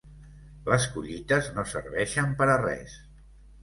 Les collites no serveixen per a res.